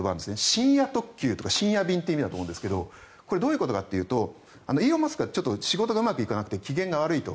深夜特急とか深夜便という意味だと思うんですがこれはどういう意味かというとイーロン・マスクは仕事がうまくいかなくて機嫌が悪いと。